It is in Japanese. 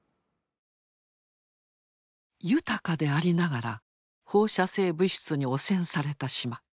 豊かでありながら放射性物質に汚染された島。